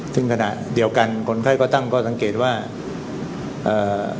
ซึ่งขณะเดียวกันคนไข้ก็ตั้งข้อสังเกตว่าเอ่อ